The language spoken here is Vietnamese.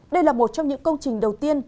đây là một trong những công trình đầu tiên